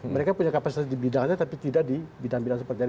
mereka punya kapasitas di bidangnya tapi tidak di bidang bidang seperti ini